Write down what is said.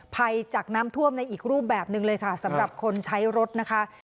ภัยจากน้ำท่วมในอีกรูปแบบหนึ่งเลยค่ะสำหรับคนใช้รถนะคะ